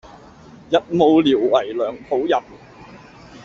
日暮聊為梁甫吟。